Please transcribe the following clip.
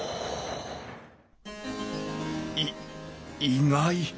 い意外！